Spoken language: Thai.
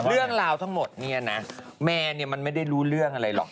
เรื่องราวทั้งหมดเนี่ยนะแม่เนี่ยมันไม่ได้รู้เรื่องอะไรหรอก